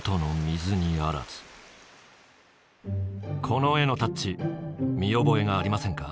この絵のタッチ見覚えがありませんか？